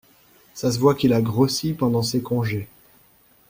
ça se voit qu'il a grossi pendant ses congés.